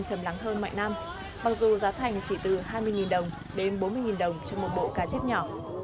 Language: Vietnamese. trầm lắng hơn mọi năm mặc dù giá thành chỉ từ hai mươi đồng đến bốn mươi đồng cho một bộ cá chép nhỏ